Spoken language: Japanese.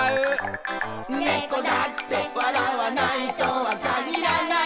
「猫だって笑わないとは限らない」